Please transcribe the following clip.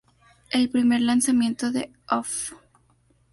El primer lanzamiento de Off!